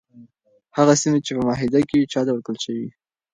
هغه سیمي چي په معاهده کي وي چاته ورکړل شوې؟